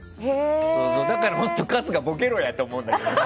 だから本当に春日、ボケろや！と思うんだけど。